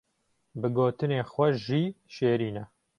bi gotinê xwe jî şêrîn e.